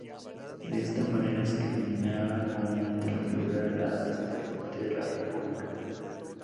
De esta manera se eliminaba nuevamente la figura del vicepresidente de la República.